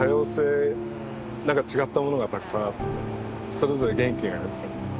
それぞれ元気があって。